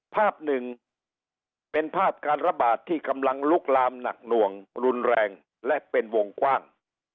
ภาพหนึ่งเป็นภาพการระบาดที่กำลังลุกลามหนักหน่วงรุนแรงและเป็นวงกว้าง